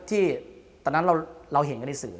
ที่ตอนนั้นเราเห็นกันในสื่อ